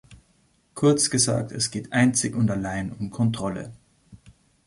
Kurz gesagt, es geht einzig und allein um Kontrolle.